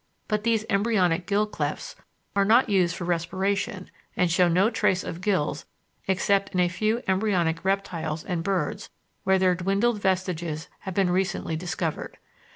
But these embryonic gill clefts are not used for respiration and show no trace of gills except in a few embryonic reptiles and birds where their dwindled vestiges have been recently discovered.